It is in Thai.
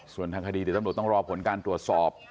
ส่วนทางคดีเดี๋ยวตำรวจต้องรอผลการตรวจสอบ